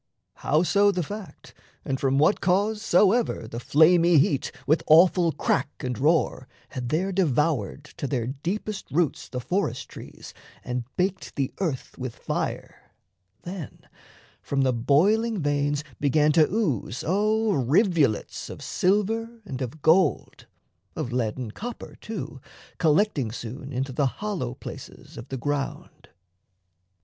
Howso the fact, and from what cause soever The flamy heat with awful crack and roar Had there devoured to their deepest roots The forest trees and baked the earth with fire, Then from the boiling veins began to ooze O rivulets of silver and of gold, Of lead and copper too, collecting soon Into the hollow places of the ground.